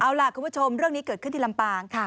เอาล่ะคุณผู้ชมเรื่องนี้เกิดขึ้นที่ลำปาง